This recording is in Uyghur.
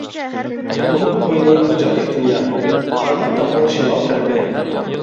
ئۇنىڭ قوينى ئاجايىپ دۇنيا، قارلىق تاغنىڭ شىمال تەرىپى.